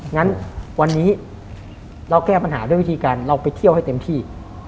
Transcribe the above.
งั้นวันนี้เราแก้ปัญหาด้วยวิธีการเราไปเที่ยวให้เต็มที่